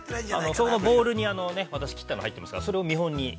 ◆そのボウルに、私が切ったのが入ってますから、それを見本に。